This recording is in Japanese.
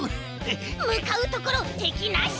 むかうところてきなし！